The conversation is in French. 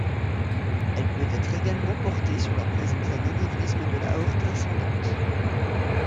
Elle peut être également portée sur la présence d'un anévrisme de l'aorte ascendante.